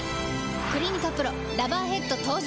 「クリニカＰＲＯラバーヘッド」登場！